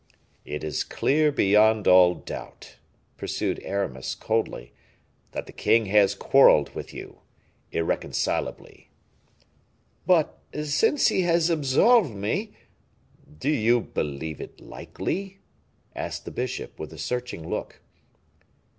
"It is clear, beyond all doubt," pursued Aramis, coldly, "that the king has quarreled with you irreconcilably." "But, since he has absolved me " "Do you believe it likely?" asked the bishop, with a searching look.